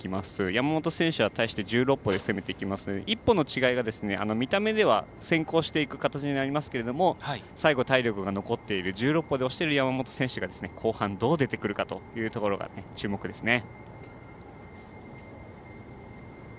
山本選手は対して１６歩で攻めていくので１歩の違いが見た目では先行していく形になりますが最後、体力が残っている１６歩の山本選手が後半どう出てくるかというところ注目ですね。